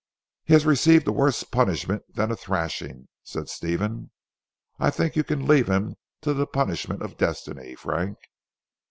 "He has received a worse punishment than a thrashing," said Stephen, "I think you can leave him to the punishment of destiny, Frank."